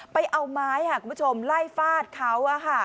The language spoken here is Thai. ไปเอาไม้คุณผู้ชมไล่ฟาดเขา